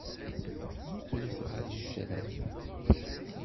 Mmuqqlet ɣer yitran.